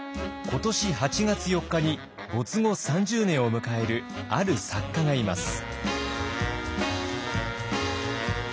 今年８月４日に没後３０年を迎えるある作家がいます。